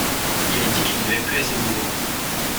Il a dit qu’il n’y avait plus assez de boulot.